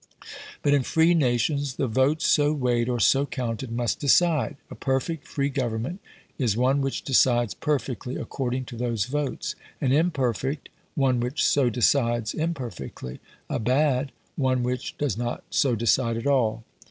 But in free nations, the votes so weighed or so counted must decide. A perfect free government is one which decides perfectly according to those votes; an imperfect, one which so decides imperfectly; a bad, one which does not so decide at all.